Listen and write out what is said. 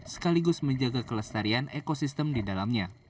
sekaligus menjaga kelestarian ekosistem di dalamnya